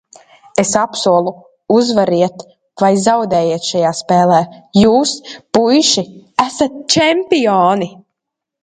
Es apsolu, uzvariet vai zaudējiet šajā spēlē, jūs, puiši, esat čempioni!